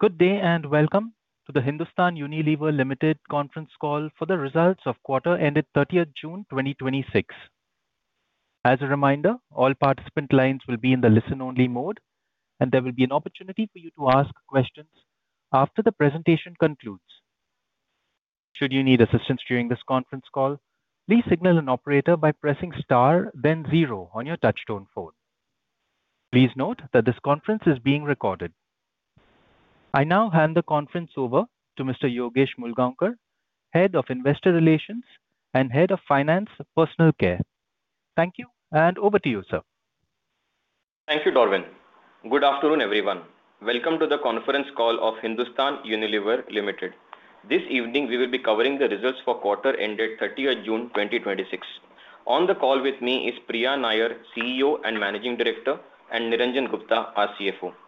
Good day, and welcome to the Hindustan Unilever Limited conference call for the results of quarter ended 30th June 2026. As a reminder, all participant lines will be in the listen only mode, and there will be an opportunity for you to ask questions after the presentation concludes. Should you need assistance during this conference call, please signal an operator by pressing star then zero on your touchtone phone. Please note that this conference is being recorded. I now hand the conference over to Mr. Yogesh Mulgaonkar, Head of Investor Relations and Head of Finance, Personal Care. Thank you, and over to you, sir. Thank you, Darwin. Good afternoon, everyone. Welcome to the conference call of Hindustan Unilever Limited. This evening, we will be covering the results for quarter ended 30th June 2026. On the call with me is Priya Nair, Chief Executive Officer and Managing Director, and Niranjan Gupta, our Chief Financial Officer.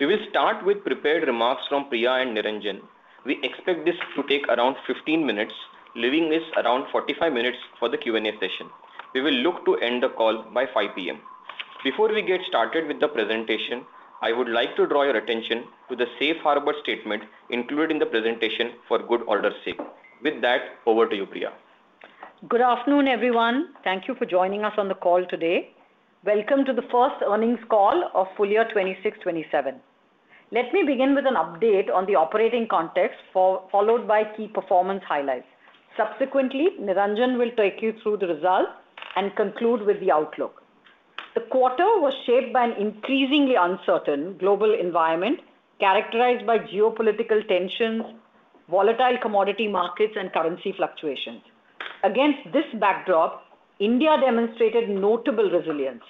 We will start with prepared remarks from Priya and Niranjan. We expect this to take around 15 minutes, leaving us around 45 minutes for the Q&A session. We will look to end the call by 5:00 P.M. Before we get started with the presentation, I would like to draw your attention to the safe harbor statement included in the presentation for good order's sake. With that, over to you, Priya. Good afternoon, everyone. Thank you for joining us on the call today. Welcome to the first earnings call of full year FY 2026/2027. Let me begin with an update on the operating context, followed by key performance highlights. Subsequently, Niranjan will take you through the results and conclude with the outlook. The quarter was shaped by an increasingly uncertain global environment characterized by geopolitical tensions, volatile commodity markets, and currency fluctuations. Against this backdrop, India demonstrated notable resilience.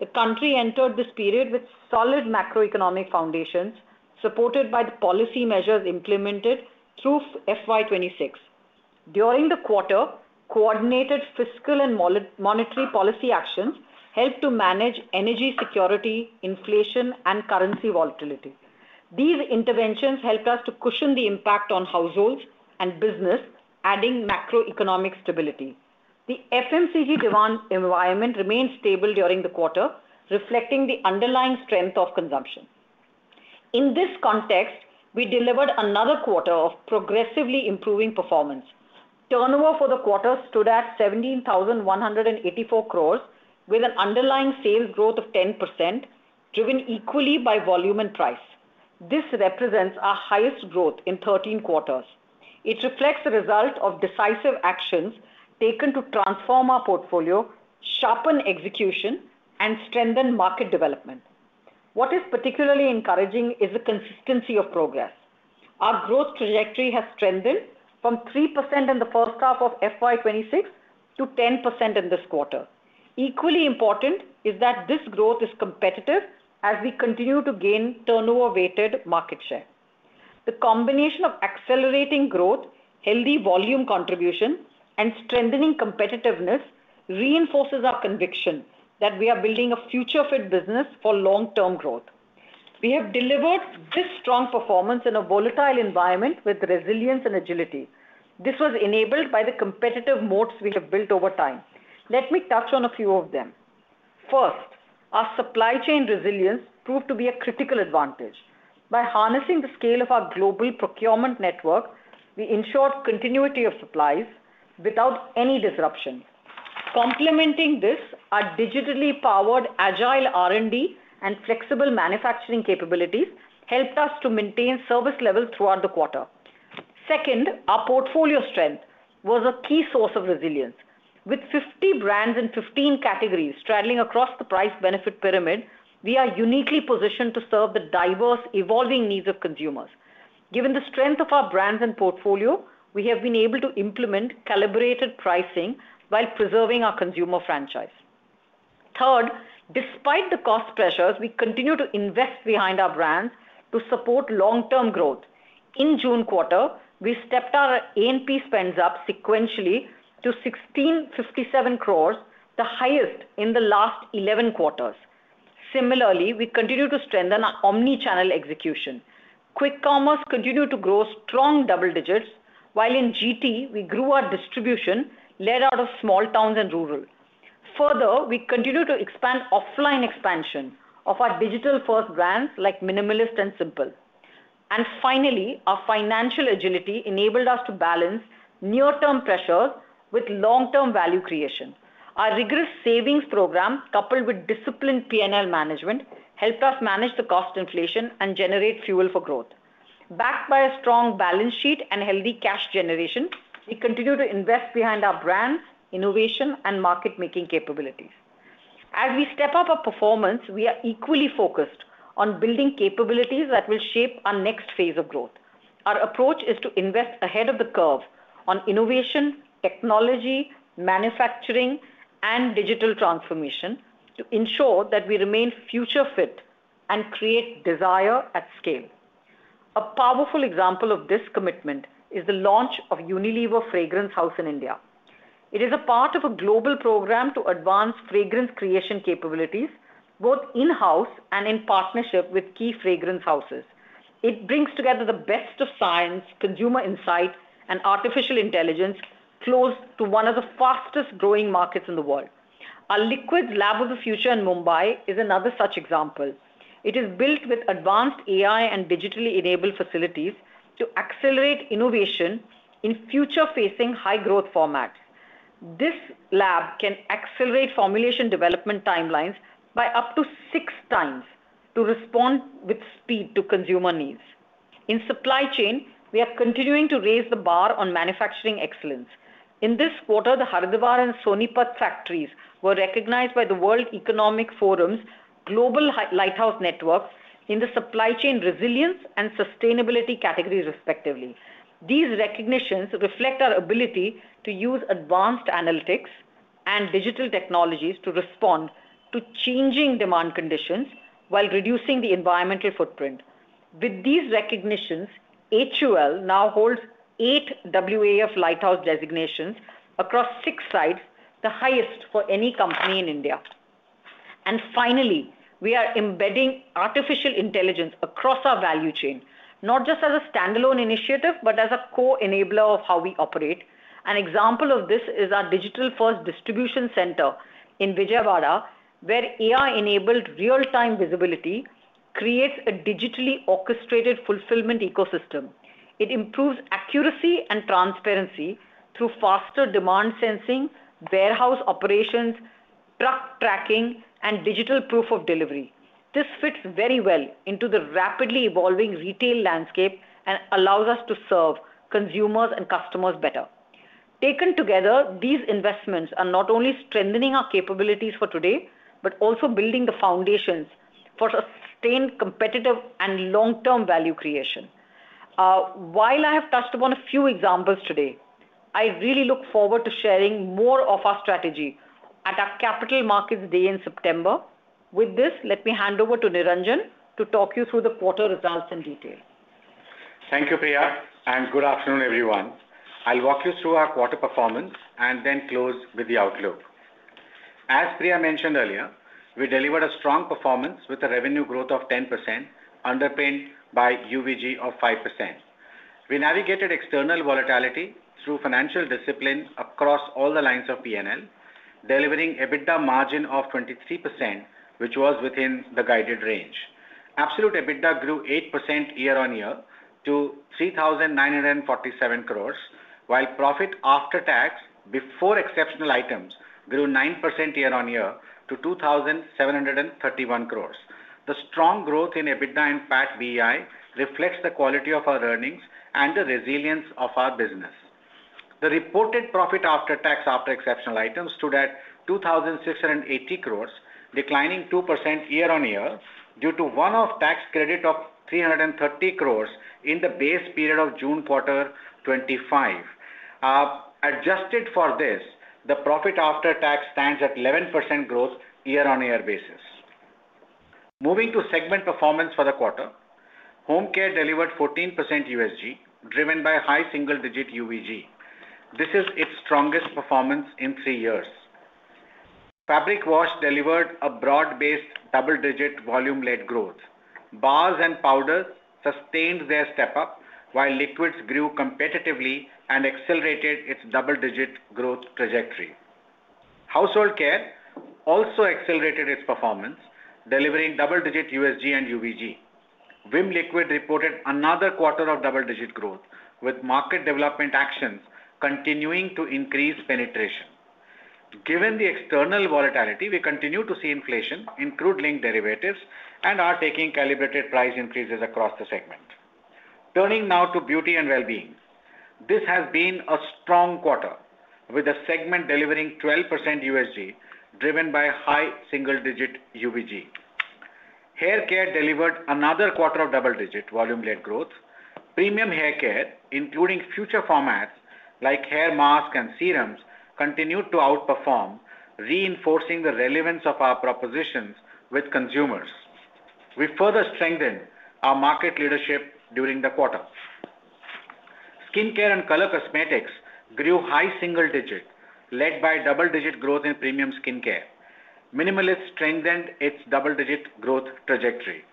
The country entered this period with solid macroeconomic foundations, supported by the policy measures implemented through FY 2026. During the quarter, coordinated fiscal and monetary policy actions helped to manage energy security, inflation, and currency volatility. These interventions helped us to cushion the impact on households and business, adding macroeconomic stability. The FMCG demand environment remained stable during the quarter, reflecting the underlying strength of consumption. In this context, we delivered another quarter of progressively improving performance. Turnover for the quarter stood at 17,184 crore with an underlying sales growth of 10%, driven equally by volume and price. This represents our highest growth in 13 quarters. It reflects the result of decisive actions taken to transform our portfolio, sharpen execution, and strengthen market development. What is particularly encouraging is the consistency of progress. Our growth trajectory has strengthened from 3% in the first half of FY 2026 to 10% in this quarter. Equally important is that this growth is competitive as we continue to gain turnover-weighted market share. The combination of accelerating growth, healthy volume contribution, and strengthening competitiveness reinforces our conviction that we are building a future-fit business for long-term growth. We have delivered this strong performance in a volatile environment with resilience and agility. This was enabled by the competitive moats we have built over time. Let me touch on a few of them. First, our supply chain resilience proved to be a critical advantage. By harnessing the scale of our global procurement network, we ensured continuity of supplies without any disruption. Complementing this, our digitally powered agile R&D and flexible manufacturing capabilities helped us to maintain service levels throughout the quarter. Second, our portfolio strength was a key source of resilience. With 50 brands in 15 categories straddling across the price benefit pyramid, we are uniquely positioned to serve the diverse, evolving needs of consumers. Given the strength of our brands and portfolio, we have been able to implement calibrated pricing while preserving our consumer franchise. Third, despite the cost pressures, we continue to invest behind our brands to support long-term growth. In June quarter, we stepped our A&P spends up sequentially to 1,657 crore, the highest in the last 11 quarters. Similarly, we continue to strengthen our omnichannel execution. Quick commerce continued to grow strong double digits, while in GT we grew our distribution led out of small towns and rural. Further, we continue to expand offline expansion of our digital-first brands like Minimalist and Simple. Finally, our financial agility enabled us to balance near-term pressure with long-term value creation. Our rigorous savings program, coupled with disciplined P&L management, helped us manage the cost inflation and generate fuel for growth. Backed by a strong balance sheet and healthy cash generation, we continue to invest behind our brands, innovation, and market-making capabilities. As we step up our performance, we are equally focused on building capabilities that will shape our next phase of growth. Our approach is to invest ahead of the curve on innovation, technology, manufacturing, and digital transformation to ensure that we remain future fit and create desire at scale. A powerful example of this commitment is the launch of Unilever Fragrance House in India. It is a part of a global program to advance fragrance creation capabilities, both in-house and in partnership with key fragrance houses. It brings together the best of science, consumer insight, and artificial intelligence close to one of the fastest-growing markets in the world. Our liquids lab of the future in Mumbai is another such example. It is built with advanced AI and digitally enabled facilities to accelerate innovation in future-facing high growth formats. This lab can accelerate formulation development timelines by up to six times to respond with speed to consumer needs. In supply chain, we are continuing to raise the bar on manufacturing excellence. In this quarter, the Haridwar and Sonipat factories were recognized by the World Economic Forum's Global Lighthouse Network in the supply chain resilience and sustainability categories, respectively. These recognitions reflect our ability to use advanced analytics and digital technologies to respond to changing demand conditions while reducing the environmental footprint. With these recognitions, HUL now holds eight WEF Lighthouse designations across six sites, the highest for any company in India. Finally, we are embedding artificial intelligence across our value chain, not just as a standalone initiative, but as a co-enabler of how we operate. An example of this is our digital-first distribution center in Vijayawada, where AI-enabled real-time visibility creates a digitally orchestrated fulfillment ecosystem. It improves accuracy and transparency through faster demand sensing, warehouse operations, truck tracking, and digital proof of delivery. This fits very well into the rapidly evolving retail landscape and allows us to serve consumers and customers better. Taken together, these investments are not only strengthening our capabilities for today, but also building the foundations for sustained competitive and long-term value creation. While I have touched upon a few examples today, I really look forward to sharing more of our strategy at our Capital Markets Day in September. With this, let me hand over to Niranjan to talk you through the quarter results in detail. Thank you, Priya, and good afternoon, everyone. I'll walk you through our quarter performance and then close with the outlook. As Priya mentioned earlier, we delivered a strong performance with a revenue growth of 10%, underpinned by UVG of 5%. We navigated external volatility through financial discipline across all the lines of P&L, delivering EBITDA margin of 23%, which was within the guided range. Absolute EBITDA grew 8% year-on-year to 3,947 crore, while profit after tax, before exceptional items grew 9% year-on-year to 2,731 crore. The strong growth in EBITDA and PAT bei reflects the quality of our earnings and the resilience of our business. The reported profit after tax, after exceptional items, stood at 2,680 crore, declining 2% year-on-year due to one-off tax credit of 330 crore in the base period of June quarter 2025. Adjusted for this, the profit after tax stands at 11% growth year-on-year basis. Moving to segment performance for the quarter. Home care delivered 14% USG, driven by high single-digit UVG. This is its strongest performance in three years. Fabric wash delivered a broad-based double-digit volume-led growth. Bars and powders sustained their step-up, while liquids grew competitively and accelerated its double-digit growth trajectory. Household care also accelerated its performance, delivering double-digit USG and UVG. Vim liquid reported another quarter of double-digit growth, with market development actions continuing to increase penetration. Given the external volatility, we continue to see inflation in crude-linked derivatives and are taking calibrated price increases across the segment. Turning now to beauty and wellbeing. This has been a strong quarter, with the segment delivering 12% USG driven by high single-digit UVG. Hair care delivered another quarter of double-digit volume-led growth. Premium hair care, including future formats like hair mask and serums, continued to outperform, reinforcing the relevance of our propositions with consumers. We further strengthened our market leadership during the quarter. Skincare and color cosmetics grew high single-digit, led by double-digit growth in premium skincare. Minimalist strengthened its double-digit growth trajectory.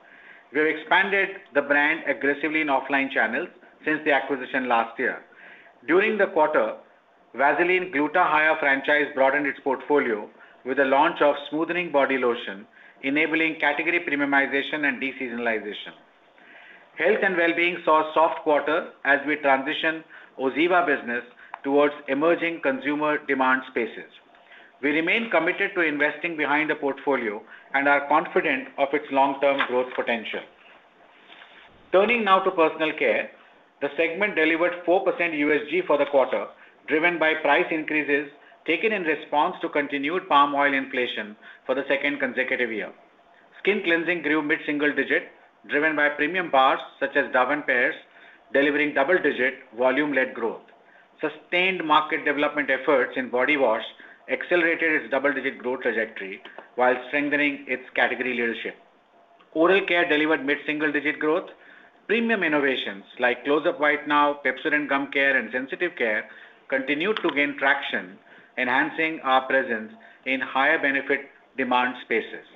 We have expanded the brand aggressively in offline channels since the acquisition last year. During the quarter, Vaseline Gluta-Hya franchise broadened its portfolio with the launch of Smoothening Body Lotion, enabling category premiumization and deseasonalization. Health and wellbeing saw a soft quarter as we transition OZiva business towards emerging consumer demand spaces. We remain committed to investing behind the portfolio and are confident of its long-term growth potential. Turning now to personal care. The segment delivered 4% USG for the quarter, driven by price increases taken in response to continued palm oil inflation for the second consecutive year. Skin cleansing grew mid-single digit, driven by premium bars such as Dove and Pears delivering double-digit volume-led growth. Sustained market development efforts in body wash accelerated its double-digit growth trajectory while strengthening its category leadership. Oral care delivered mid-single digit growth. Premium innovations like Closeup White Now, Pepsodent Gum Care, and Sensitive Care continued to gain traction, enhancing our presence in higher benefit demand spaces.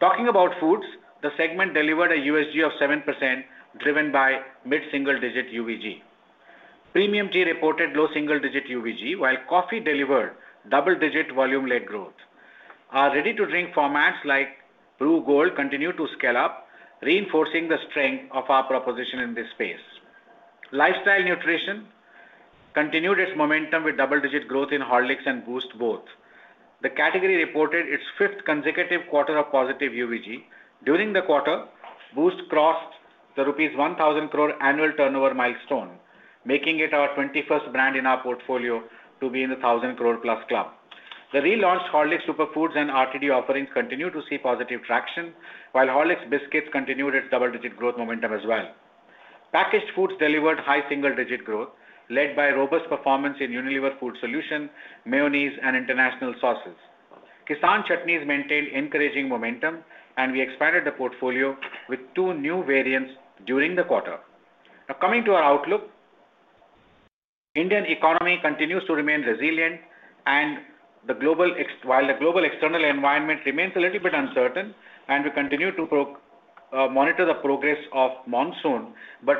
Talking about foods, the segment delivered a USG of 7%, driven by mid-single digit UVG. Premium tea reported low single-digit UVG, while coffee delivered double-digit volume-led growth. Our ready-to-drink formats like Bru Gold continue to scale up, reinforcing the strength of our proposition in this space. Lifestyle nutrition continued its momentum with double-digit growth in Horlicks and Boost both. The category reported its fifth consecutive quarter of positive UVG. During the quarter, Boost crossed the rupees 1,000 crore annual turnover milestone, making it our 21st brand in our portfolio to be in the 1,000 crore plus club. The relaunched Horlicks Superfoods and RTD offerings continue to see positive traction, while Horlicks biscuits continued its double-digit growth momentum as well. Packaged foods delivered high single-digit growth, led by robust performance in Unilever Food Solutions, mayonnaise, and international sauces. Kissan Chutneys maintained encouraging momentum, and we expanded the portfolio with two new variants during the quarter. Now coming to our outlook. Indian economy continues to remain resilient, and while the global external environment remains a little bit uncertain, and we continue to monitor the progress of monsoon,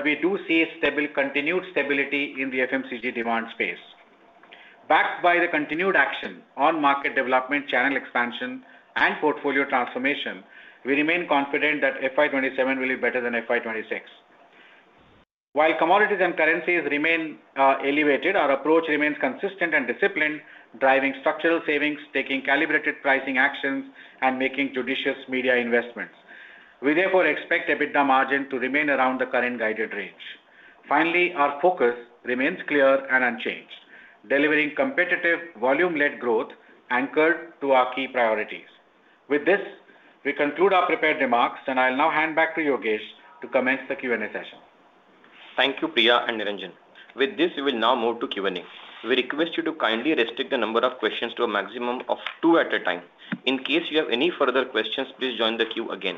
we do see a continued stability in the FMCG demand space. Backed by the continued action on market development, channel expansion and portfolio transformation, we remain confident that FY 2027 will be better than FY 2026. While commodities and currencies remain elevated, our approach remains consistent and disciplined, driving structural savings, taking calibrated pricing actions, and making judicious media investments. We therefore expect EBITDA margin to remain around the current guided range. Finally, our focus remains clear and unchanged, delivering competitive volume-led growth anchored to our key priorities. With this, we conclude our prepared remarks, and I'll now hand back to Yogesh to commence the Q&A session. Thank you, Priya and Niranjan. With this, we will now move to Q&A. We request you to kindly restrict the number of questions to a maximum of two at a time. In case you have any further questions, please join the queue again.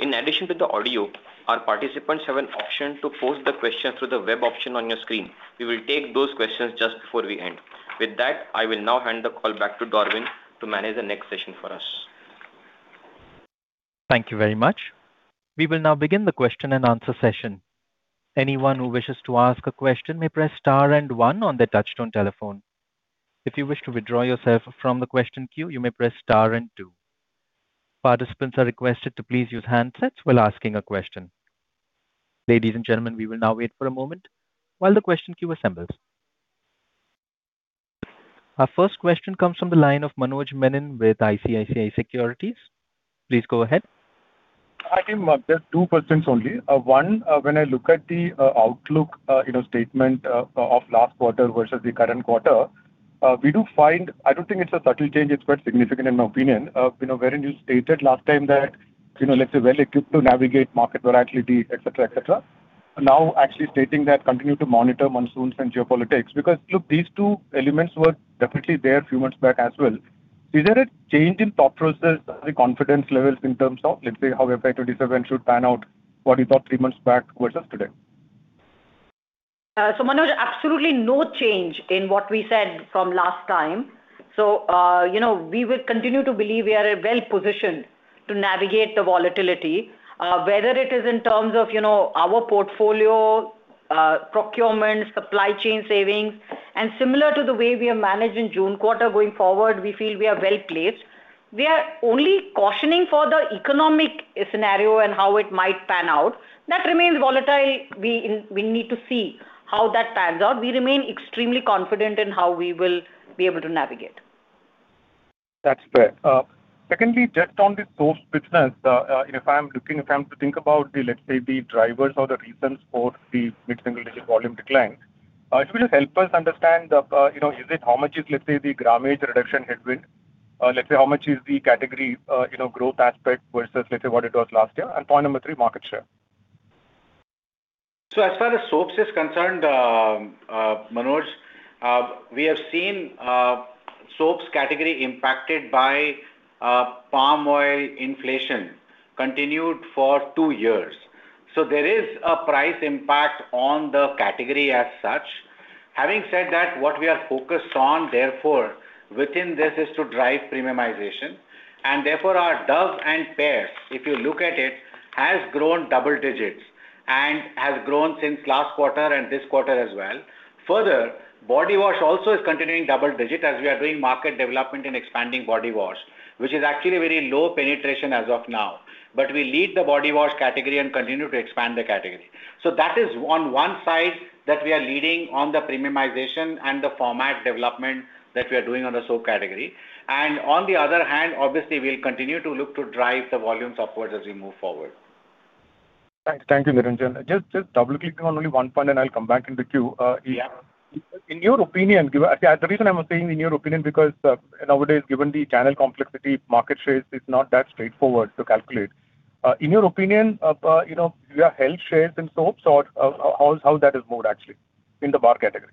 In addition to the audio, our participants have an option to pose the question through the web option on your screen. We will take those questions just before we end. With that, I will now hand the call back to Darwin to manage the next session for us. Thank you very much. We will now begin the question and answer session. Anyone who wishes to ask a question may press star one on their touch-tone telephone. If you wish to withdraw yourself from the question queue, you may press star two. Participants are requested to please use handsets while asking a question. Ladies and gentlemen, we will now wait for a moment while the question queue assembles. Our first question comes from the line of Manoj Menon with ICICI Securities. Please go ahead. Hi team. Just two questions only. One, when I look at the outlook statement of last quarter versus the current quarter, we do find I don't think it's a subtle change, it's quite significant in my opinion. Wherein you stated last time that, let's say, well-equipped to navigate market volatility, et cetera. Now actually stating that continue to monitor monsoons and geopolitics. Look, these two elements were definitely there a few months back as well. Is there a change in thought process or the confidence levels in terms of, let's say, how FY 2027 should pan out, what you thought three months back versus today? Manoj, absolutely no change in what we said from last time. We will continue to believe we are well-positioned to navigate the volatility, whether it is in terms of our portfolio, procurement, supply chain savings, and similar to the way we have managed in June quarter, going forward, we feel we are well-placed. We are only cautioning for the economic scenario and how it might pan out. That remains volatile. We need to see how that pans out. We remain extremely confident in how we will be able to navigate. That's fair. Secondly, just on the soap business, if I am to think about, let's say, the drivers or the reasons for the mid-single-digit volume decline, if you could just help us understand, how much is, let's say, the grammage reduction headwind? Let's say, how much is the category growth aspect versus, let's say, what it was last year? Point number three, market share. As far as soaps is concerned, Manoj, we have seen soaps category impacted by palm oil inflation, continued for two years. There is a price impact on the category as such. Having said that, what we are focused on, therefore within this is to drive premiumization. Therefore, our Dove and Pears, if you look at it, has grown double digits and has grown since last quarter and this quarter as well. Further, body wash also is continuing double digit as we are doing market development and expanding body wash, which is actually very low penetration as of now. We lead the body wash category and continue to expand the category. That is on one side that we are leading on the premiumization and the format development that we are doing on the soap category. On the other hand, obviously, we'll continue to look to drive the volumes upwards as we move forward. Thank you, Niranjan. Just double-clicking on only one point, I'll come back in the queue. Yeah. In your opinion, the reason I was saying in your opinion, because nowadays, given the channel complexity, market shares is not that straightforward to calculate. In your opinion, you have held shares in soaps, or how that has moved actually in the bar category?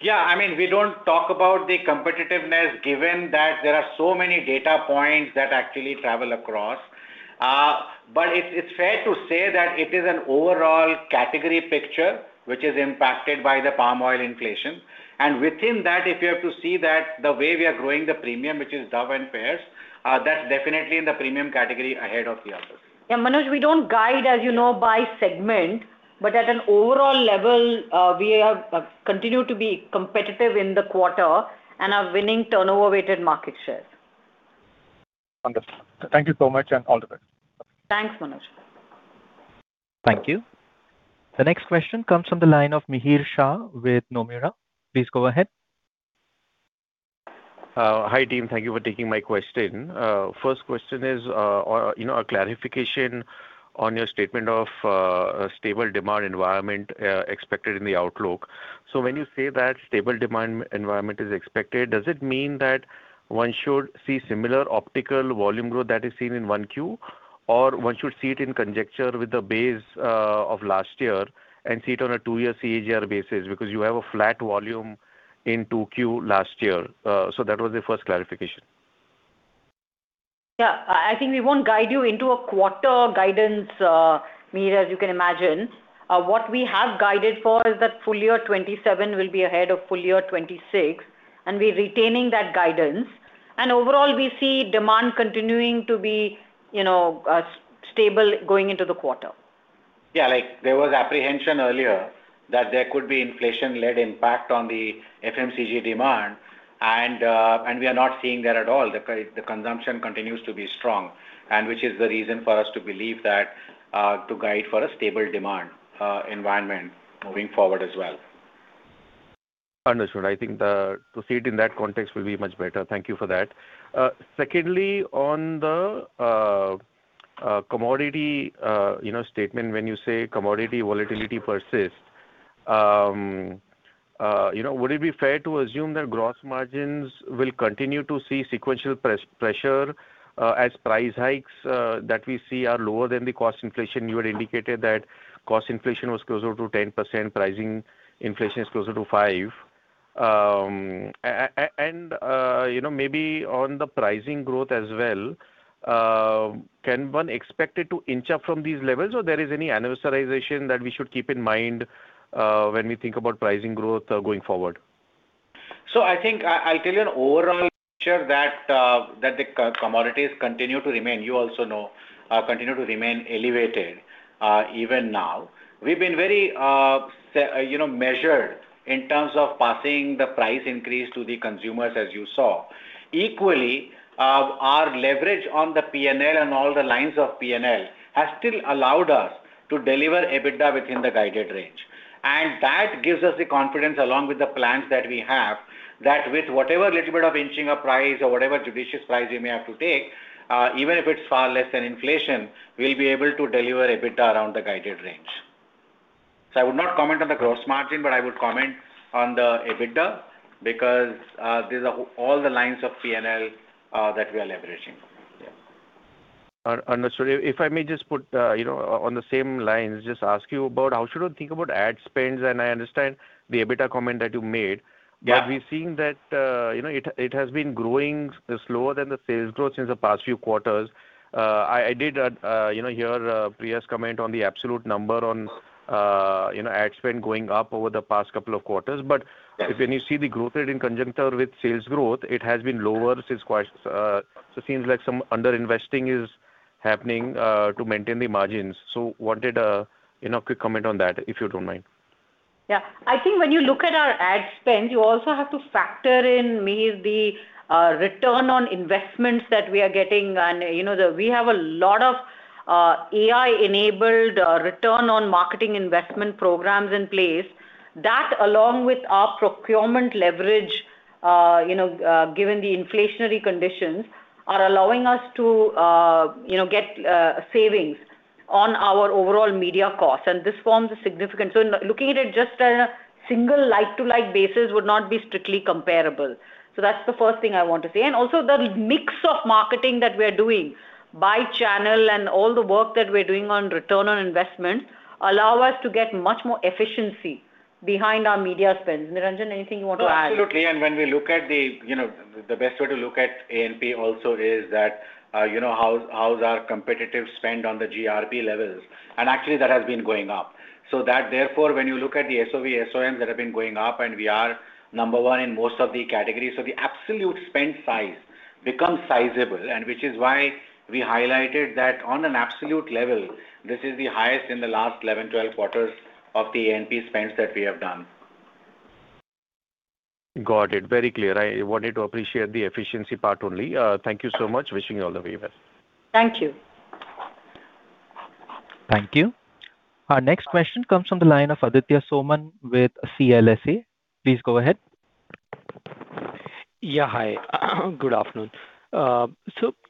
Yeah, we don't talk about the competitiveness given that there are so many data points that actually travel across. Okay. It's fair to say that it is an overall category picture which is impacted by the palm oil inflation. Within that, if you have to see that the way we are growing the premium, which is Dove and Pears, that's definitely in the premium category ahead of the others. Yeah, Manoj, we don't guide, as you know, by segment, but at an overall level, we have continued to be competitive in the quarter and are winning turnover-weighted market shares. Wonderful. Thank you so much, and all the best. Thanks, Manoj. Thank you. The next question comes from the line of Mihir Shah with Nomura. Please go ahead. Hi, team. Thank you for taking my question. First question is a clarification on your statement of a stable demand environment expected in the outlook. When you say that stable demand environment is expected, does it mean that one should see similar optical volume growth that is seen in 1Q, or one should see it in conjecture with the base of last year and see it on a two-year CAGR basis because you have a flat volume in 2Q last year? That was the first clarification. I think we won't guide you into a quarter guidance, Mihir, as you can imagine. What we have guided for is that full year 2027 will be ahead of full year 2026, and we're retaining that guidance. Overall, we see demand continuing to be stable going into the quarter. Yeah, there was apprehension earlier that there could be inflation-led impact on the FMCG demand. We are not seeing that at all. The consumption continues to be strong, which is the reason for us to believe that to guide for a stable demand environment moving forward as well. Understood. I think to see it in that context will be much better. Thank you for that. Secondly, on the commodity statement, when you say commodity volatility persists, would it be fair to assume that gross margins will continue to see sequential pressure as price hikes that we see are lower than the cost inflation? You had indicated that cost inflation was closer to 10%, pricing inflation is closer to five. Maybe on the pricing growth as well, can one expect it to inch up from these levels? Or there is any annualization that we should keep in mind when we think about pricing growth going forward? I think I'll tell you an overall picture that the commodities continue to remain, you also know, continue to remain elevated even now. We've been very measured in terms of passing the price increase to the consumers, as you saw. Equally, our leverage on the P&L and all the lines of P&L has still allowed us to deliver EBITDA within the guided range. That gives us the confidence along with the plans that we have, that with whatever little bit of inching of price or whatever judicious price we may have to take, even if it's far less than inflation, we'll be able to deliver EBITDA around the guided range. I would not comment on the gross margin, but I would comment on the EBITDA because these are all the lines of P&L that we are leveraging. Understood. If I may just put on the same lines, just ask you about how should one think about ad spends? I understand the EBITDA comment that you made. Yeah. We've seen that it has been growing slower than the sales growth since the past few quarters. I did hear Priya's comment on the absolute number on ad spend going up over the past couple of quarters. Yes When you see the growth rate in conjuncture with sales growth, it has been lower. Seems like some under-investing is happening to maintain the margins. Wanted a quick comment on that, if you don't mind. Yeah. I think when you look at our ad spend, you also have to factor in, Mihir, the return on investments that we are getting and we have a lot of AI-enabled return on marketing investment programs in place. That along with our procurement leverage, given the inflationary conditions, are allowing us to get savings on our overall media costs, and this forms a significant. Looking at it just on a single like-to-like basis would not be strictly comparable. That's the first thing I want to say. Also the mix of marketing that we're doing by channel and all the work that we're doing on return on investment allow us to get much more efficiency behind our media spends. Niranjan, anything you want to add? No, absolutely. The best way to look at A&P also is that how's our competitive spend on the GRP levels. Actually that has been going up. That therefore, when you look at the SOV, SOM that have been going up, and we are number one in most of the categories. The absolute spend size becomes sizable, and which is why we highlighted that on an absolute level, this is the highest in the last 11, 12 quarters of the A&P spends that we have done. Got it. Very clear. I wanted to appreciate the efficiency part only. Thank you so much. Wishing you all the very best. Thank you. Thank you. Our next question comes from the line of Aditya Soman with CLSA. Please go ahead. Yeah, hi. Good afternoon.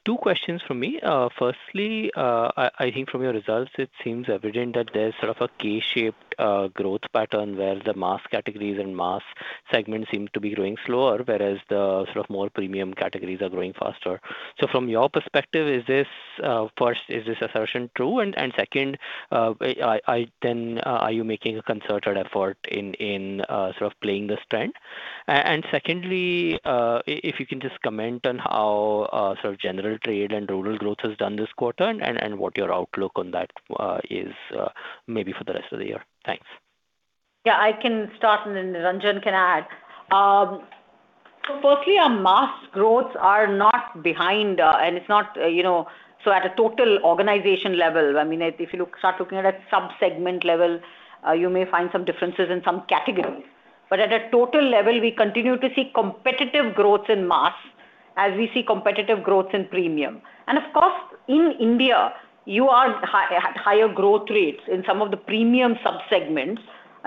Two questions from me. Firstly, I think from your results, it seems evident that there's sort of a K-shaped growth pattern where the mass categories and mass segments seem to be growing slower, whereas the more premium categories are growing faster. From your perspective, first, is this assertion true? Second, are you making a concerted effort in playing this trend? Secondly, if you can just comment on how general trade and rural growth has done this quarter and what your outlook on that is, maybe for the rest of the year. Thanks. Yeah, I can start and then Niranjan can add. Firstly, our mass growths are not behind. At a total organization level, if you start looking at a sub-segment level, you may find some differences in some categories. At a total level, we continue to see competitive growth in mass as we see competitive growth in premium. Of course, in India, you are at higher growth rates in some of the premium sub-segments.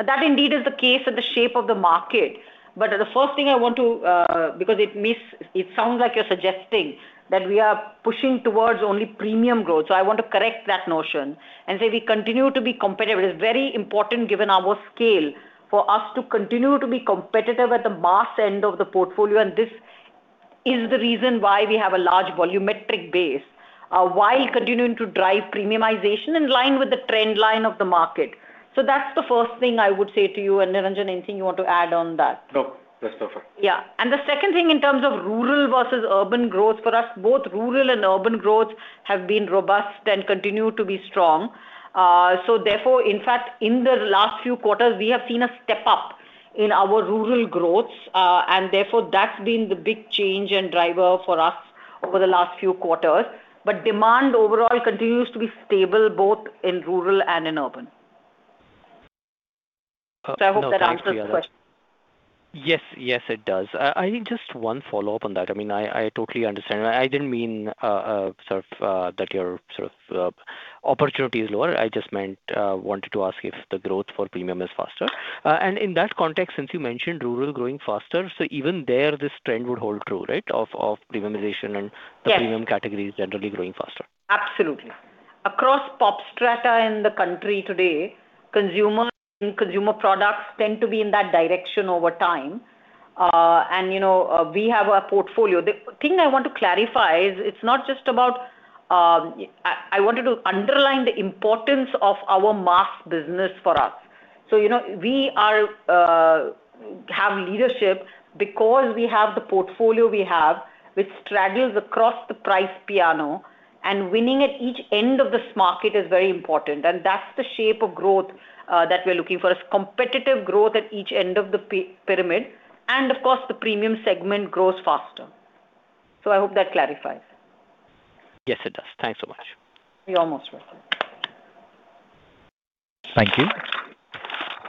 That indeed is the case of the shape of the market. The first thing, because it sounds like you are suggesting that we are pushing towards only premium growth, I want to correct that notion and say we continue to be competitive. It is very important, given our scale, for us to continue to be competitive at the mass end of the portfolio, this is the reason why we have a large volumetric base, while continuing to drive premiumization in line with the trend line of the market. That's the first thing I would say to you. Niranjan, anything you want to add on that? No, that's perfect. Yeah. The second thing in terms of rural versus urban growth for us, both rural and urban growth have been robust and continue to be strong. In fact, in the last few quarters, we have seen a step up in our rural growth. That's been the big change and driver for us over the last few quarters. Demand overall continues to be stable both in rural and in urban. I hope that answers the question. Yes, it does. Just one follow-up on that. I totally understand. I didn't mean that your opportunity is lower. I just wanted to ask if the growth for premium is faster. In that context, since you mentioned rural growing faster, even there, this trend would hold true, right? Of premiumization and. Yes The premium categories generally growing faster. Absolutely. Across pops strata in the country today, consumer products tend to be in that direction over time. We have our portfolio. The thing I want to clarify is, I wanted to underline the importance of our mass business for us. We have leadership because we have the portfolio we have, which straddles across the price piano, winning at each end of this market is very important, and that's the shape of growth that we're looking for, is competitive growth at each end of the pyramid. Of course, the premium segment grows faster. I hope that clarifies. Yes, it does. Thanks so much. You're most welcome. Thank you.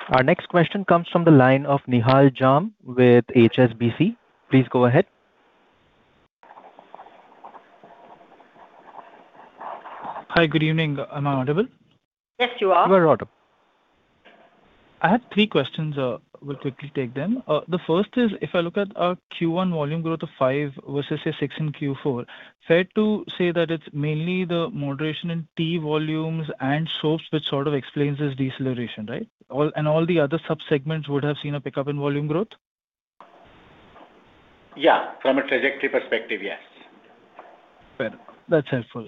Our next question comes from the line of Nihal Jham with HSBC. Please go ahead. Hi. Good evening. Am I audible? Yes, you are. You are audible. I have three questions. We'll quickly take them. The first is, if I look at our Q1 volume growth of five versus your six in Q4, fair to say that it's mainly the moderation in tea volumes and soaps, which sort of explains this deceleration, right? All the other sub-segments would have seen a pickup in volume growth? Yeah. From a trajectory perspective, yes. Fair. That's helpful.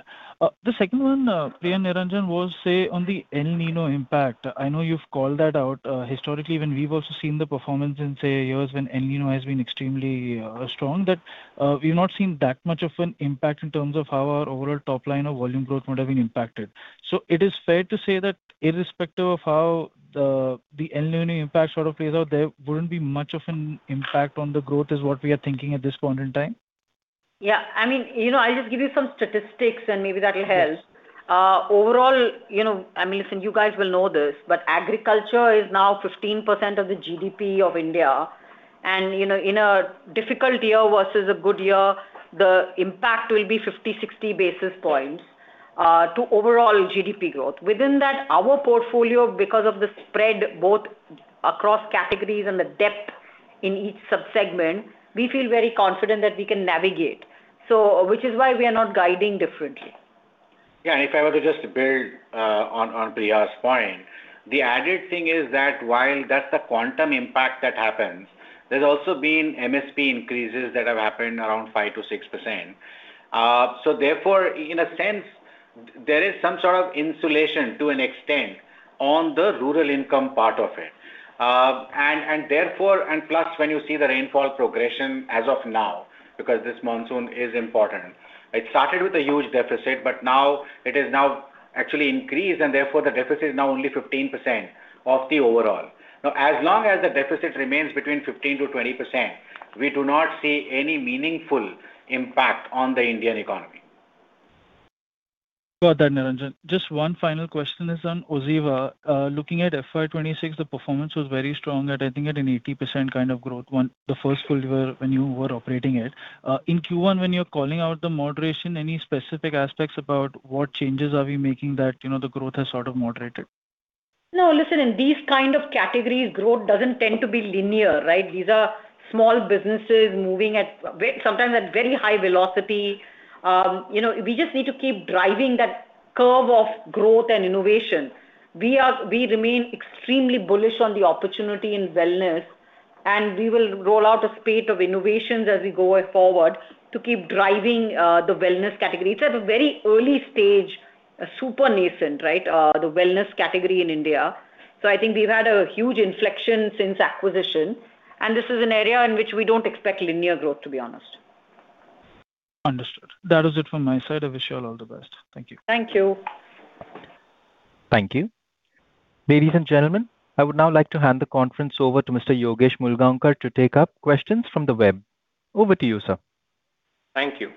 The second one, Priya and Niranjan, was, say on the El Niño impact, I know you've called that out. Historically, even we've also seen the performance in, say, years when El Niño has been extremely strong, that we've not seen that much of an impact in terms of how our overall top line or volume growth would have been impacted. It is fair to say that irrespective of how the El Niño impact sort of plays out, there wouldn't be much of an impact on the growth is what we are thinking at this point in time? Yeah. I'll just give you some statistics and maybe that'll help. Yes. Overall, listen, you guys will know this. Agriculture is now 15% of the GDP of India. In a difficult year versus a good year, the impact will be 50 basis point, 60 basis points to overall GDP growth. Within that, our portfolio, because of the spread both across categories and the depth in each sub-segment, we feel very confident that we can navigate. Which is why we are not guiding differently. Yeah. If I were to just build on Priya's point, the added thing is that while that's the quantum impact that happens, there's also been MSP increases that have happened around 5%-6%. Therefore, in a sense, there is some sort of insulation to an extent on the rural income part of it. Plus, when you see the rainfall progression as of now, because this monsoon is important. It started with a huge deficit, but now it is now actually increased, and therefore the deficit is now only 15% of the overall. Now, as long as the deficit remains between 15%-20%, we do not see any meaningful impact on the Indian economy. Got that, Niranjan. Just one final question is on OZiva. Looking at FY 2026, the performance was very strong at, I think, at an 80% kind of growth the first full year when you were operating it. In Q1, when you're calling out the moderation, any specific aspects about what changes are we making that the growth has sort of moderated? No, listen, in these kind of categories, growth doesn't tend to be linear. These are small businesses moving sometimes at very high velocity. We just need to keep driving that curve of growth and innovation. We remain extremely bullish on the opportunity in wellness, and we will roll out a spate of innovations as we go forward to keep driving the wellness category. It's at a very early stage, a super nascent, the wellness category in India. I think we've had a huge inflection since acquisition, and this is an area in which we don't expect linear growth, to be honest. Understood. That is it from my side. I wish you all the best. Thank you. Thank you. Thank you. Ladies and gentlemen, I would now like to hand the conference over to Mr. Yogesh Mulgaonkar to take up questions from the web. Over to you, sir. Thank you.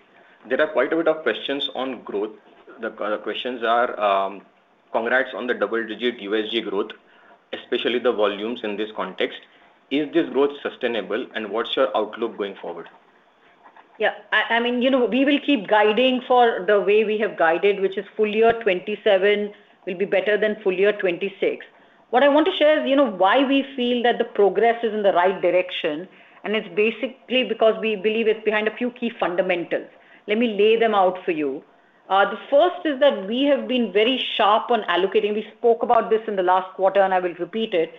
There are quite a bit of questions on growth. The questions are, congrats on the double-digit USG growth, especially the volumes in this context. Is this growth sustainable, and what's your outlook going forward? Yeah. We will keep guiding for the way we have guided, which is full year 2027 will be better than full year 2026. What I want to share is why we feel that the progress is in the right direction, it's basically because we believe it's behind a few key fundamentals. Let me lay them out for you. The first is that we have been very sharp on allocating. We spoke about this in the last quarter, I will repeat it,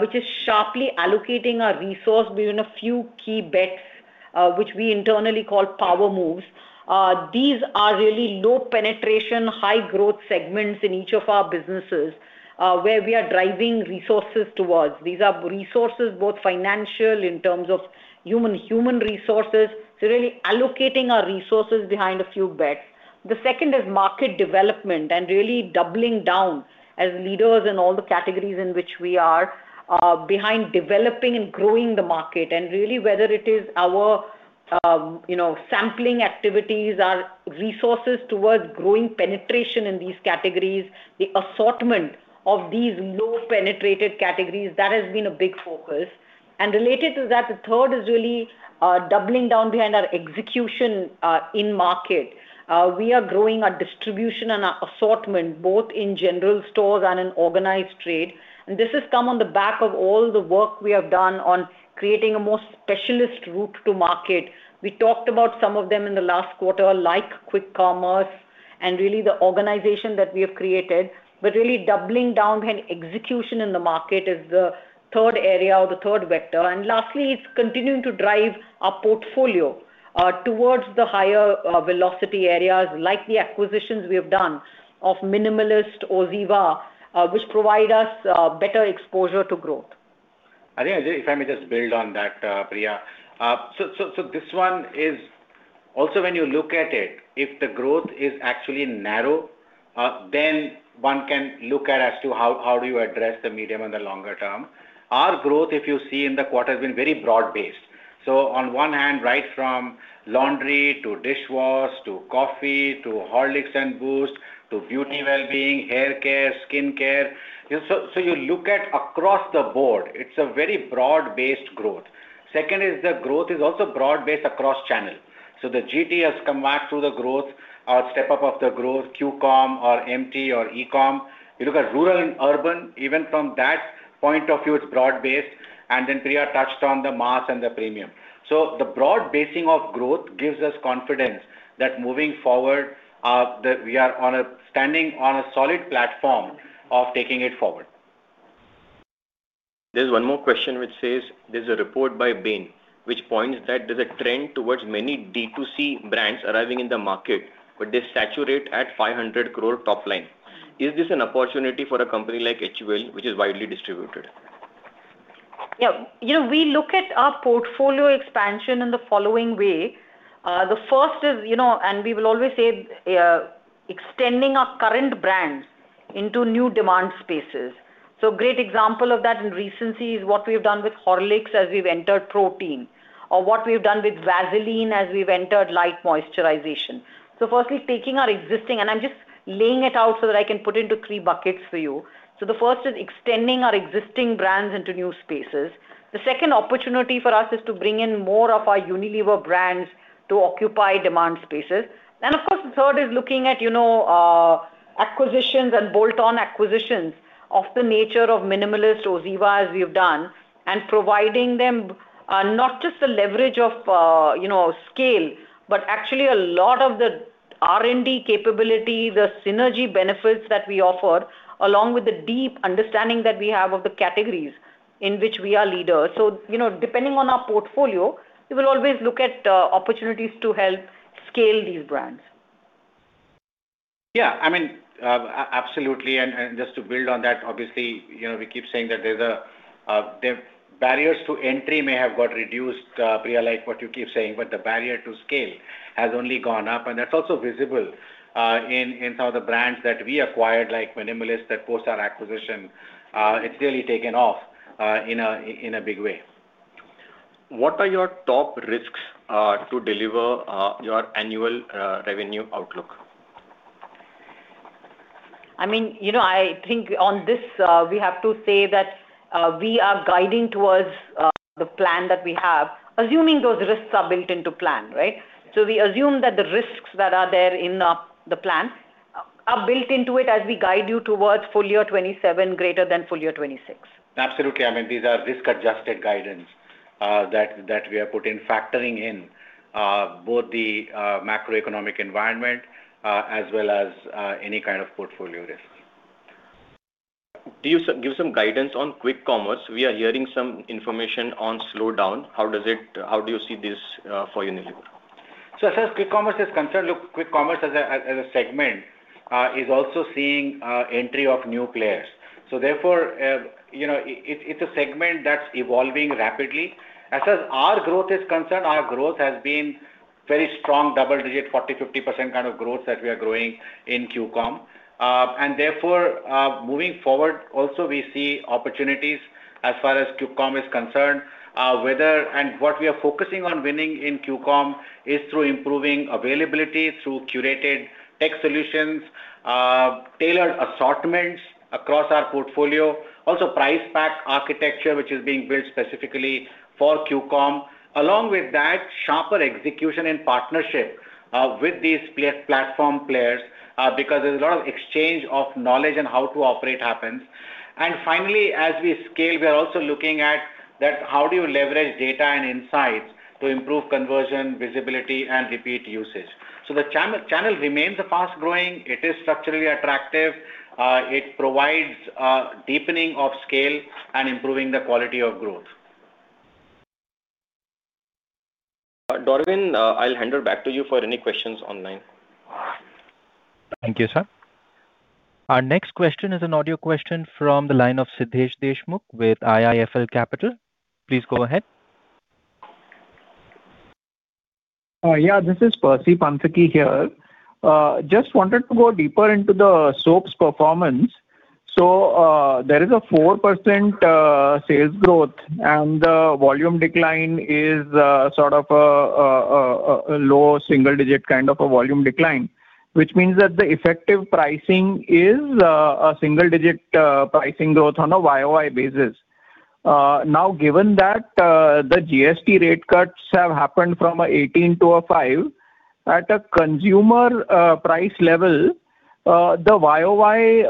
which is sharply allocating our resource behind a few key bets, which we internally call power moves. These are really low-penetration, high-growth segments in each of our businesses, where we are driving resources towards. These are resources, both financial in terms of human resources. Really allocating our resources behind a few bets. The second is market development really doubling down as leaders in all the categories in which we are behind developing and growing the market. Really whether it is our sampling activities, our resources towards growing penetration in these categories, the assortment of these low-penetrated categories, that has been a big focus. Related to that, the third is really doubling down behind our execution in market. We are growing our distribution and our assortment, both in general stores and in organized trade. This has come on the back of all the work we have done on creating a more specialist route to market. We talked about some of them in the last quarter, like quick commerce really the organization that we have created. Really doubling down behind execution in the market is the third area or the third vector. Lastly, it's continuing to drive our portfolio towards the higher velocity areas, like the acquisitions we have done of Minimalist, OZiva, which provide us better exposure to growth. I think, if I may just build on that, Priya. This one is also when you look at it, if the growth is actually narrow, then one can look at as to how do you address the medium and the longer term. Our growth, if you see in the quarter, has been very broad-based. On one hand, right from laundry to dishwash, to coffee, to Horlicks and Boost, to beauty, wellbeing, haircare, skincare. You look at across the board, it's a very broad-based growth. Second is the growth is also broad-based across channels. The GT has come back through the growth, our step-up of the growth, Q-commerce, our MT or e-commerce. You look at rural and urban, even from that point of view, it's broad-based. Priya touched on the mass and the premium. The broad basing of growth gives us confidence that moving forward, we are standing on a solid platform of taking it forward. There's one more question which says, there's a report by Bain, which points that there's a trend towards many D2C brands arriving in the market, but they saturate at 500 crore top line. Is this an opportunity for a company like HUL, which is widely distributed? Yeah. We look at our portfolio expansion in the following way. The first is, and we will always say, extending our current brands into new demand spaces. Great example of that in recency is what we've done with Horlicks as we've entered protein, or what we've done with Vaseline as we've entered light moisturization. Firstly, taking our existing, and I'm just laying it out so that I can put into three buckets for you. The first is extending our existing brands into new spaces. The second opportunity for us is to bring in more of our Unilever brands to occupy demand spaces. Of course, the third is looking at acquisitions and bolt-on acquisitions of the nature of Minimalist or OZiva as we've done, and providing them not just the leverage of scale, but actually a lot of the R&D capability, the synergy benefits that we offer, along with the deep understanding that we have of the categories in which we are leaders. Depending on our portfolio, we will always look at opportunities to help scale these brands. Yeah. Absolutely. Just to build on that, obviously, we keep saying that the barriers to entry may have got reduced, Priya, like what you keep saying, the barrier to scale has only gone up, that's also visible in some of the brands that we acquired, like Minimalist, that post our acquisition, it's really taken off in a big way. What are your top risks to deliver your annual revenue outlook? I think on this, we have to say that we are guiding towards the plan that we have, assuming those risks are built into plan, right? We assume that the risks that are there in the plan are built into it as we guide you towards full year 2027 greater than full year 2026. Absolutely. These are risk-adjusted guidance that we have put in, factoring in both the macroeconomic environment as well as any kind of portfolio risk. Give some guidance on quick commerce. We are hearing some information on slowdown. How do you see this for Unilever? As far as quick commerce is concerned, look, quick commerce as a segment is also seeing entry of new players. Therefore, it's a segment that's evolving rapidly. As far as our growth is concerned, our growth has been very strong, double digit, 40%, 50% kind of growth that we are growing in Q-commerce. Therefore, moving forward also we see opportunities as far as Q-commerce is concerned. What we are focusing on winning in Q-commerce is through improving availability through curated tech solutions, tailored assortments across our portfolio. Also price pack architecture, which is being built specifically for Q-commerce. Along with that, sharper execution in partnership with these platform players, because there's a lot of exchange of knowledge and how to operate happens. Finally, as we scale, we are also looking at how do you leverage data and insights to improve conversion, visibility and repeat usage. The channel remains fast-growing. It is structurally attractive. It provides a deepening of scale and improving the quality of growth. Darwin, I'll hand it back to you for any questions online. Thank you, sir. Our next question is an audio question from the line of Siddhesh Deshmukh with IIFL Capital. Please go ahead. Yeah. This is Percy Panthaki here. Just wanted to go deeper into the soaps performance. There is a 4% sales growth and the volume decline is sort of a low single digit kind of a volume decline, which means that the effective pricing is a single digit pricing growth on a year-over-year basis. Given that the GST rate cuts have happened from 18 to a five, at a consumer price level, the year-over-year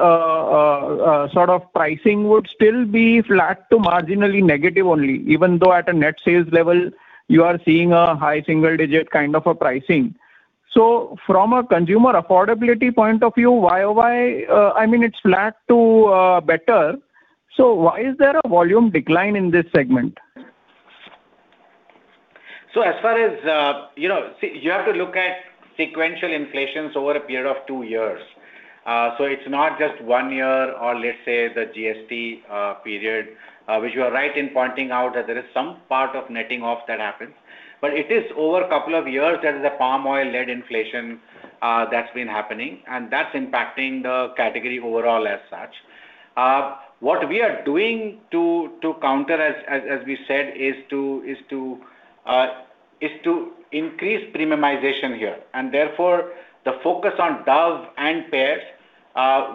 sort of pricing would still be flat to marginally negative only, even though at a net sales level you are seeing a high single digit kind of a pricing. From a consumer affordability point of view, year-over-year, I mean it's flat to better, why is there a volume decline in this segment? You have to look at sequential inflations over a period of two years. It's not just one year or let's say the GST period, which you are right in pointing out that there is some part of netting off that happens. It is over a couple of years, there is a palm oil-led inflation that's been happening and that's impacting the category overall as such. What we are doing to counter as we said, is to increase premiumization here and therefore the focus on Dove and Pears,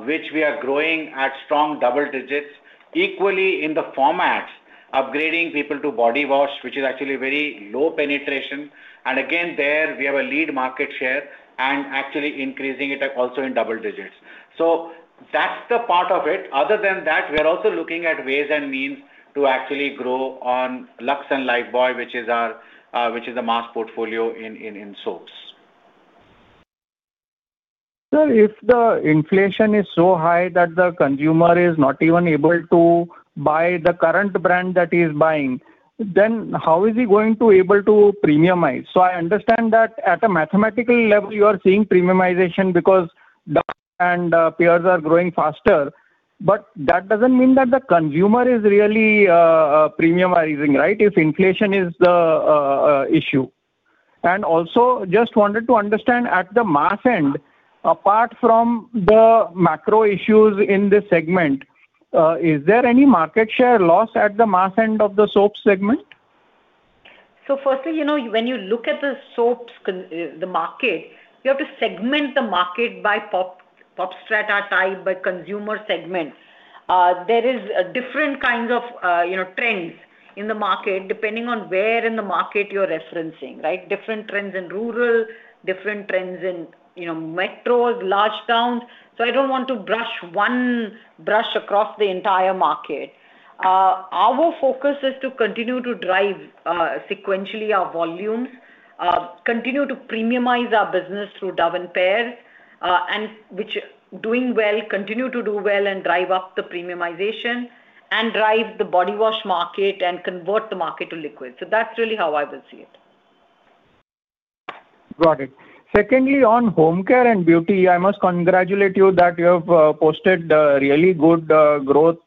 which we are growing at strong double digits, equally in the format, upgrading people to body wash, which is actually very low penetration. Again there we have a lead market share and actually increasing it also in double digits. That's the part of it. Other than that, we are also looking at ways and means to actually grow on Lux and Lifebuoy, which is the mass portfolio in soaps. Sir, if the inflation is so high that the consumer is not even able to buy the current brand that he is buying, then how is he going to be able to premiumize? I understand that at a mathematical level you are seeing premiumization because Dove and Pears are growing faster, but that doesn't mean that the consumer is really premiumizing, right, if inflation is the issue. Just wanted to understand at the mass end, apart from the macro issues in this segment, is there any market share loss at the mass end of the soap segment? Firstly, when you look at the soaps market, you have to segment the market by pop strata type, by consumer segment. There is different kinds of trends in the market depending on where in the market you're referencing, right? Different trends in rural, different trends in metros, large towns. I don't want to brush one brush across the entire market. Our focus is to continue to drive sequentially our volumes, continue to premiumize our business through Dove and Pears, which continue to do well and drive up the premiumization and drive the body wash market and convert the market to liquid. That's really how I would see it. Got it. Secondly, on home care and beauty, I must congratulate you that you have posted really good growth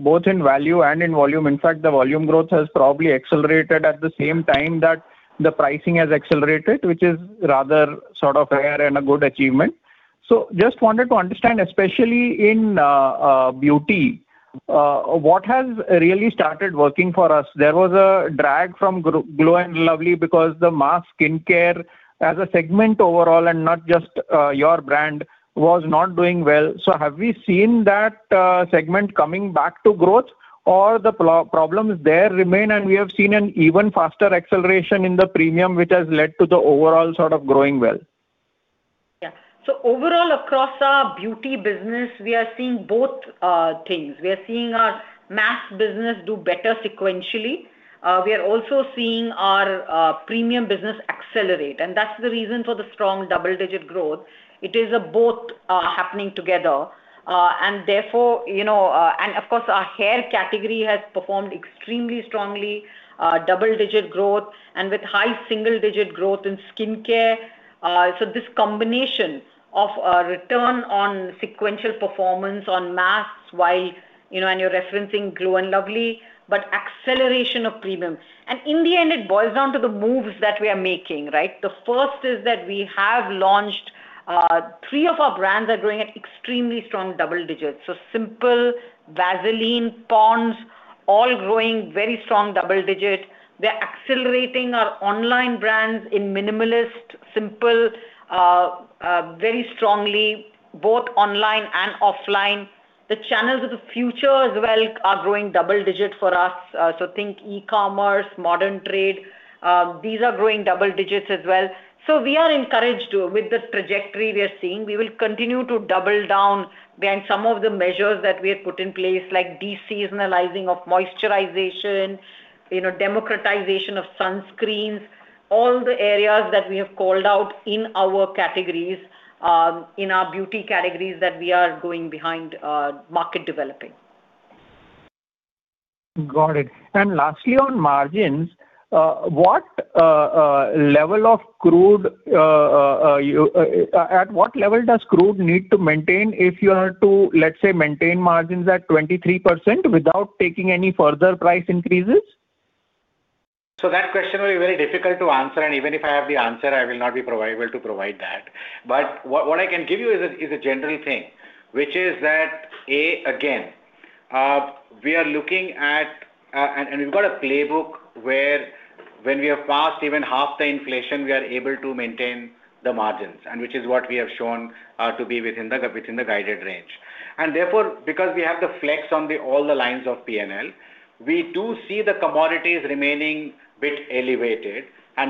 both in value and in volume. In fact, the volume growth has probably accelerated at the same time that the pricing has accelerated, which is rather sort of rare and a good achievement. Just wanted to understand, especially in beauty, what has really started working for us? There was a drag from Glow & Lovely because the mass skincare as a segment overall and not just your brand was not doing well. Have we seen that segment coming back to growth or the problems there remain and we have seen an even faster acceleration in the premium which has led to the overall sort of growing well? Yeah. Overall across our beauty business, we are seeing both things. We are seeing our mass business do better sequentially We are also seeing our premium business accelerate, that's the reason for the strong double-digit growth. It is both happening together. Of course, our hair category has performed extremely strongly, double-digit growth, and with high single-digit growth in skincare. This combination of a return on sequential performance on masks while, and you're referencing Glow & Lovely, but acceleration of premium. In the end, it boils down to the moves that we are making. The first is that we have launched. Three of our brands are growing at extremely strong double digits. Simple, Vaseline, Pond's, all growing very strong double digits. We're accelerating our online brands in Minimalist, Simple, very strongly, both online and offline. The channels of the future as well are growing double digits for us. Think e-commerce, modern trade. These are growing double digits as well. We are encouraged with the trajectory we are seeing. We will continue to double down behind some of the measures that we have put in place, like de-seasonalizing of moisturization, democratization of sunscreens, all the areas that we have called out in our beauty categories that we are going behind market developing. Got it. Lastly, on margins, at what level does crude need to maintain if you are to, let's say, maintain margins at 23% without taking any further price increases? That question will be very difficult to answer, even if I have the answer, I will not be able to provide that. What I can give you is a general thing, which is that, A. Again, we are looking at, and we've got a playbook where when we are past even half the inflation, we are able to maintain the margins, which is what we have shown to be within the guided range. Therefore, because we have the flex on all the lines of P&L, we do see the commodities remaining a bit elevated,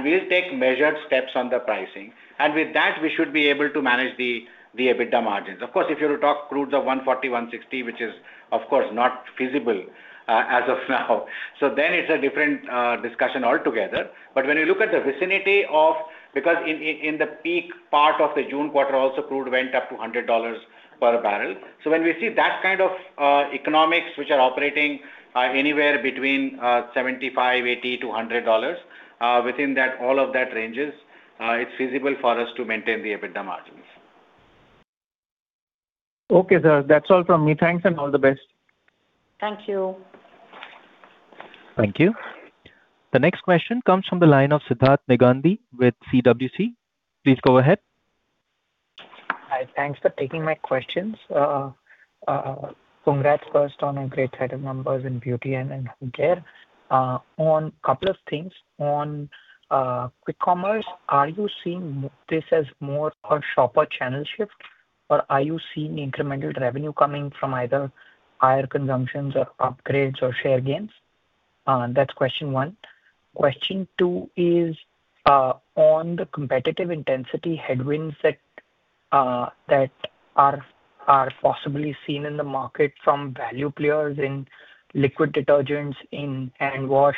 we'll take measured steps on the pricing. With that, we should be able to manage the EBITDA margins. Of course, if you were to talk crudes of $140, $160, which is of course not feasible as of now. Then it's a different discussion altogether. When you look at the vicinity. Because in the peak part of the June quarter also, crude went up to $100 per bbl. When we see that kind of economics, which are operating anywhere between $75, $80 to $100, within all of that ranges it's feasible for us to maintain the EBITDA margins. Okay, sir. That's all from me. Thanks and all the best. Thank you. Thank you. The next question comes from the line of Sidharth Negandhi with CWC. Please go ahead. Hi, thanks for taking my questions. Congrats first on a great set of numbers in beauty and home care. On a couple of things. On quick commerce, are you seeing this as more a shopper channel shift, or are you seeing incremental revenue coming from either higher consumptions or upgrades or share gains? That's question one. Question two is on the competitive intensity headwinds that are possibly seen in the market from value players in liquid detergents, in hand wash,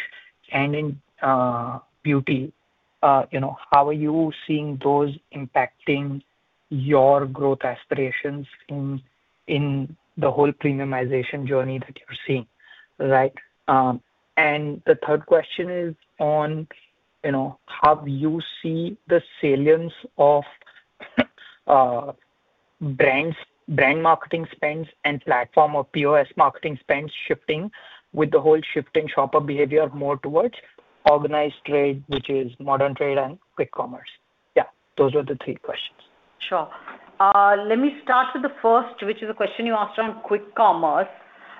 and in beauty. How are you seeing those impacting your growth aspirations in the whole premiumization journey that you're seeing? The third question is on how you see the salience of brand marketing spends and platform or POS marketing spends shifting with the whole shifting shopper behavior more towards organized trade, which is modern trade and quick commerce. Yeah, those were the three questions. Sure. Let me start with the first, which is a question you asked on quick commerce.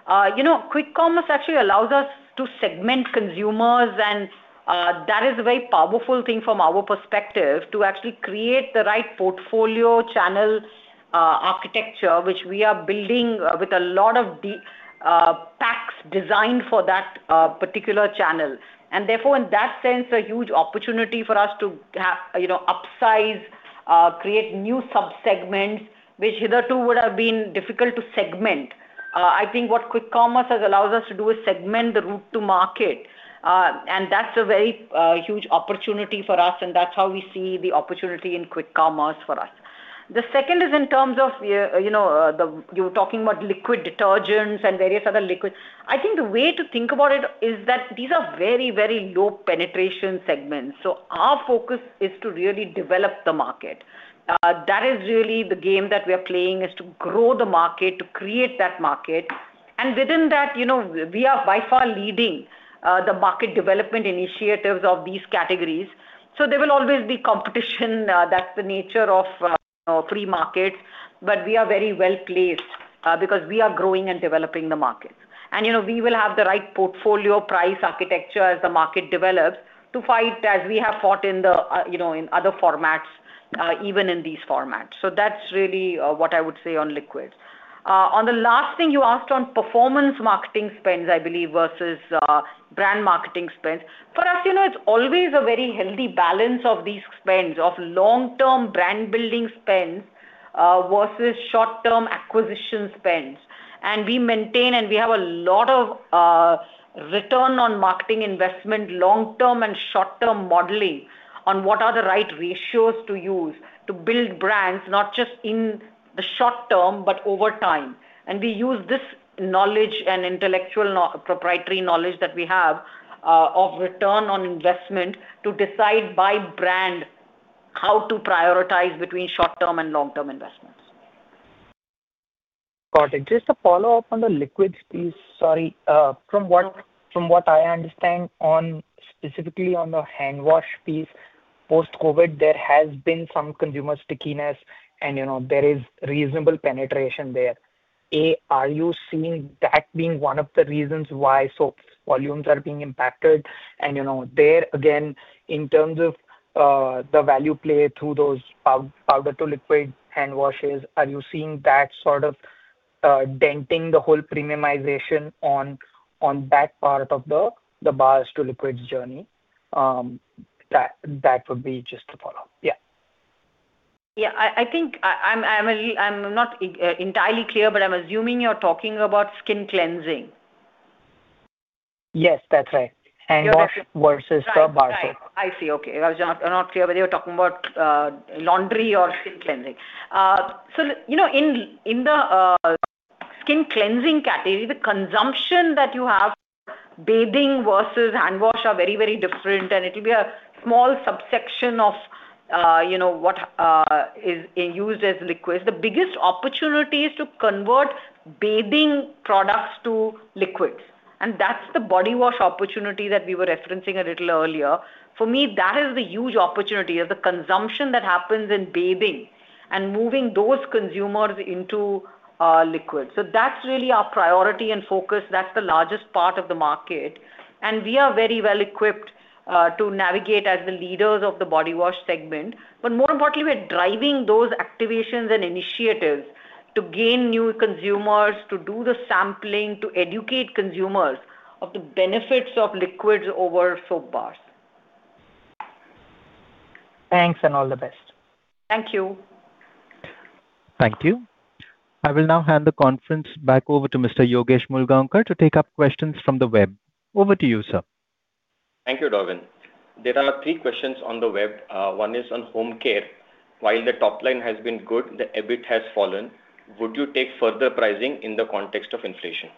Quick commerce actually allows us to segment consumers, and that is a very powerful thing from our perspective to actually create the right portfolio channel architecture, which we are building with a lot of packs designed for that particular channel. Therefore, in that sense, a huge opportunity for us to upsize, create new sub-segments, which hitherto would have been difficult to segment. I think what quick commerce has allowed us to do is segment the route to market. That's a very huge opportunity for us, and that's how we see the opportunity in quick commerce for us. The second is in terms of, you were talking about liquid detergents and various other liquids. I think the way to think about it is that these are very, very low penetration segments. Our focus is to really develop the market. That is really the game that we are playing, is to grow the market, to create that market. Within that, we are by far leading the market development initiatives of these categories. There will always be competition. That's the nature of free markets, but we are very well-placed because we are growing and developing the markets. We will have the right portfolio price architecture as the market develops to fight as we have fought in other formats, even in these formats. That's really what I would say on liquids. On the last thing you asked on performance marketing spends, I believe, versus brand marketing spends. For us, it's always a very healthy balance of these spends, of long-term brand-building spends versus short-term acquisition spends. We maintain and we have a lot of return on marketing investment, long-term and short-term modeling on what are the right ratios to use to build brands, not just in the short term, but over time. We use this knowledge and intellectual proprietary knowledge that we have of return on investment to decide by brand how to prioritize between short-term and long-term investments. Got it. Just a follow-up on the liquids piece. Sorry. From what I understand, specifically on the hand wash piece, post-COVID, there has been some consumer stickiness, and there is reasonable penetration there. Are you seeing that being one of the reasons why soap volumes are being impacted? There, again, in terms of the value play through those powder to liquid hand washes, are you seeing that sort of denting the whole premiumization on that part of the bars to liquids journey? That would be just a follow-up. Yeah. I think I'm not entirely clear, but I'm assuming you're talking about skin cleansing. Yes, that's right. Hand wash versus bar soap. Right. I see. Okay. I was not clear whether you're talking about laundry or skin cleansing. In the skin cleansing category, the consumption that you have, bathing versus hand wash are very different, and it'll be a small subsection of what is used as liquids. The biggest opportunity is to convert bathing products to liquids, and that's the body wash opportunity that we were referencing a little earlier. For me, that is the huge opportunity of the consumption that happens in bathing and moving those consumers into liquids. That's really our priority and focus. That's the largest part of the market, and we are very well-equipped to navigate as the leaders of the body wash segment. More importantly, we're driving those activations and initiatives to gain new consumers, to do the sampling, to educate consumers of the benefits of liquids over soap bars. Thanks and all the best. Thank you. Thank you. I will now hand the conference back over to Mr. Yogesh Mulgaonkar to take up questions from the web. Over to you, sir. Thank you, Darwin. There are now three questions on the web. One is on home care. While the top line has been good, the EBIT has fallen. Would you take further pricing in the context of inflation?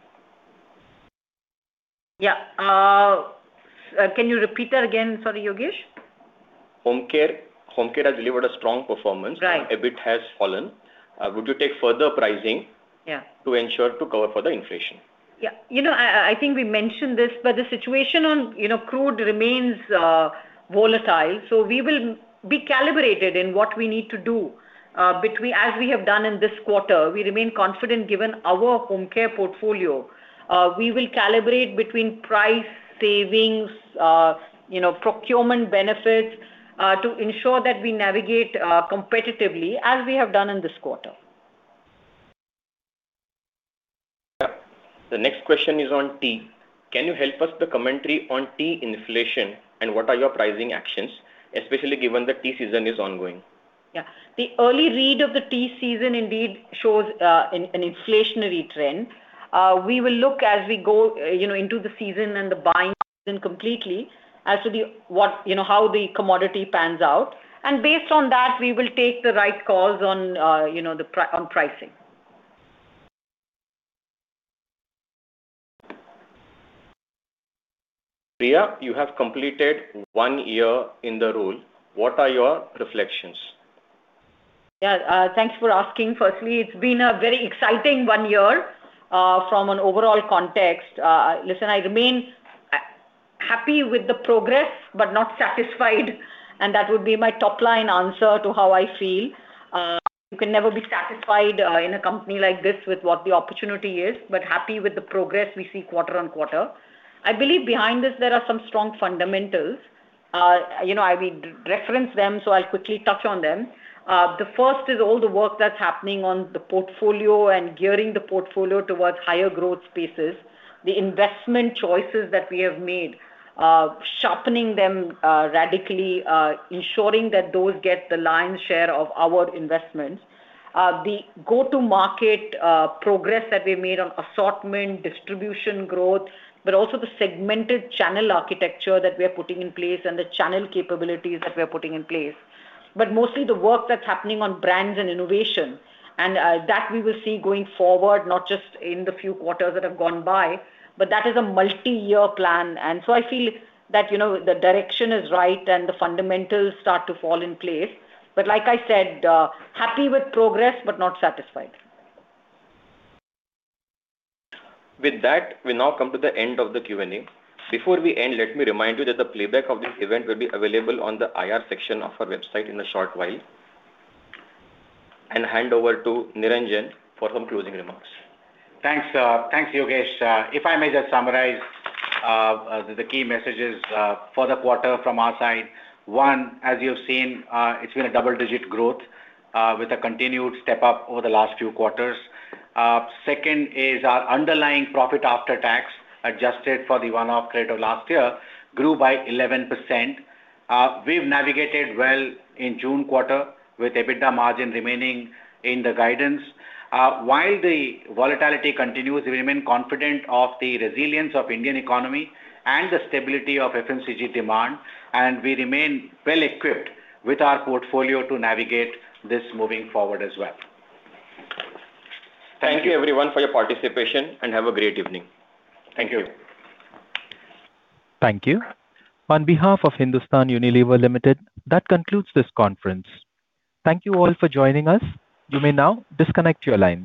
Yeah. Can you repeat that again? Sorry, Yogesh. Home care has delivered a strong performance. Right. EBIT has fallen. Would you take further pricing. Yeah To ensure to cover for the inflation? Yeah. I think we mentioned this. The situation on crude remains volatile. We will be calibrated in what we need to do. As we have done in this quarter, we remain confident, given our home care portfolio. We will calibrate between price savings, procurement benefits to ensure that we navigate competitively, as we have done in this quarter. Yeah. The next question is on tea. Can you help us with the commentary on tea inflation and what are your pricing actions, especially given the tea season is ongoing? Yeah. The early read of the tea season indeed shows an inflationary trend. We will look as we go into the season and the buying season completely as to how the commodity pans out. Based on that, we will take the right calls on pricing. Priya, you have completed one year in the role. What are your reflections? Thanks for asking. Firstly, it's been a very exciting one year from an overall context. I remain happy with the progress, but not satisfied, that would be my top-line answer to how I feel. You can never be satisfied in a company like this with what the opportunity is, happy with the progress we see quarter on quarter. I believe behind this, there are some strong fundamentals. We reference them, I'll quickly touch on them. The first is all the work that's happening on the portfolio and gearing the portfolio towards higher growth spaces. The investment choices that we have made, sharpening them radically, ensuring that those get the lion's share of our investments. The go-to-market progress that we made on assortment, distribution growth, but also the segmented channel architecture that we are putting in place and the channel capabilities that we are putting in place. Mostly the work that's happening on brands and innovation, that we will see going forward, not just in the few quarters that have gone by, but that is a multi-year plan. I feel that the direction is right and the fundamentals start to fall in place. Like I said, happy with progress, but not satisfied. With that, we now come to the end of the Q&A. Before we end, let me remind you that the playback of this event will be available on the IR section of our website in a short while. Hand over to Niranjan for some closing remarks. Thanks Yogesh. If I may just summarize the key messages for the quarter from our side. One, as you've seen, it's been a double-digit growth with a continued step-up over the last few quarters. Second is our underlying profit after tax, adjusted for the one-off credit of last year, grew by 11%. We've navigated well in June quarter, with EBITDA margin remaining in the guidance. While the volatility continues, we remain confident of the resilience of Indian economy and the stability of FMCG demand, we remain well-equipped with our portfolio to navigate this moving forward as well. Thank you everyone for your participation, and have a great evening. Thank you. Thank you. On behalf of Hindustan Unilever Limited, that concludes this conference. Thank you all for joining us. You may now disconnect your lines.